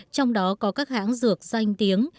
trong đó có các hãng dược doanh tiếng